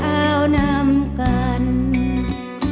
กลับมาเมื่อเวลาที่สุดท้าย